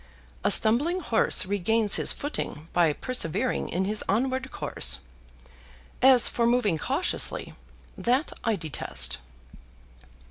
A stumbling horse regains his footing by persevering in his onward course. As for moving cautiously, that I detest."